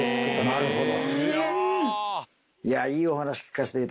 なるほど。